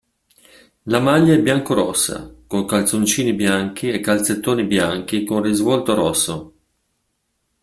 La maglia è biancorossa, con calzoncini bianchi e calzettoni bianchi con risvolto rosso.